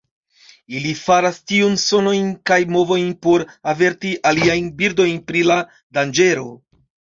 Ili faras tiujn sonojn kaj movojn por averti aliajn birdojn pri la danĝero.